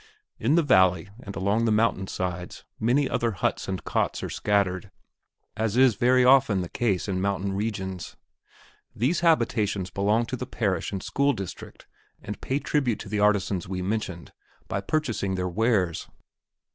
In the valley and along the mountain sides many other huts and cots are scattered, as is very often the case in mountain regions. These habitations belong to the parish and school district and pay tribute to the artisans we mentioned by purchasing their wares.